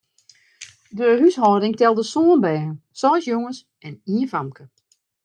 De húshâlding telde sân bern, seis jonges en ien famke.